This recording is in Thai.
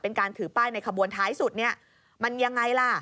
เป็นการถือป้ายในขบวนท้ายสุดมันยังไงล่ะ